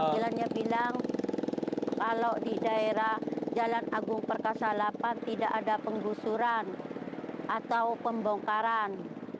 jalannya bilang kalau di daerah jalan agung perkasa delapan tidak ada penggusuran atau pembongkaran